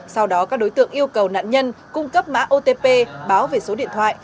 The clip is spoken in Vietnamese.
sau đó các đối tượng yêu cầu nạn nhân cung cấp mã otp báo về số điện thoại